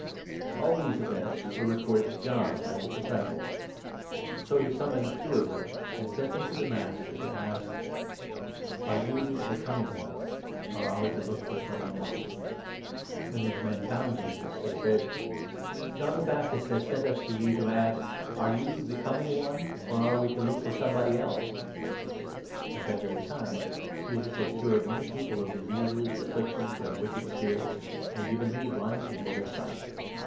The Baptist's ^H these events were reported to John by his 18 Message to disciples. So he summoned two of them, and 19 Jesus. sent them to the Master to ask —" Are you ' The Coming One,' or are we to look for some one else ?" i»Ps. 118. 26. 120 LUKE, 7. When these men found Jesus, they said : 20 "John the Baptist has sent us to you to ask —' Are you 'The Coming One,' or are we to look for somebody else ?'' At that very time Jesus had cured many people of diseases, 21 afflictions, and wicked spirits, and had given many blind people their sight.